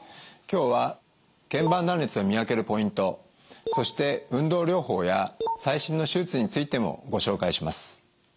今日は腱板断裂を見分けるポイントそして運動療法や最新の手術についてもご紹介します。